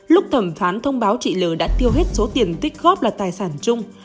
lúc thẩm phán thông báo chị l đã tiêu hết số tiền tích góp là tài sản chung